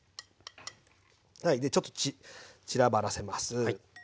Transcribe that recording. はいちょっと散らばらせます。